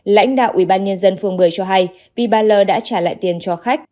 lãnh đạo ubnd phường bưởi cho hay vì bà l đã trả lại tiền cho khách